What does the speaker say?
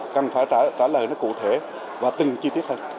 cần phải trả lời nó cụ thể và từng chi tiết hơn